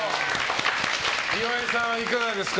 岩井さん、いかがですか？